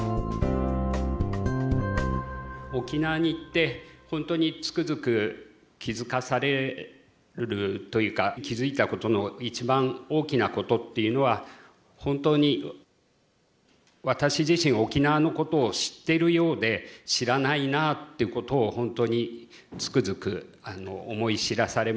沖縄に行って本当につくづく気付かされるというか気付いたことの一番大きなことっていうのは本当に私自身沖縄のことを知ってるようで知らないなということを本当につくづく思い知らされました。